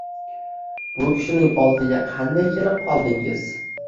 Bu kishining oldiga qanday kelib qoldingiz